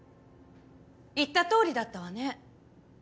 言ったとおりだったわね。